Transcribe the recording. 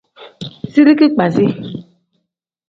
Zirigi kpasi.